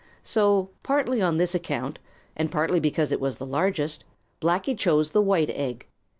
So, partly on this account, and partly because it was the largest, Blacky chose the white egg.